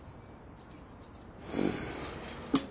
うん。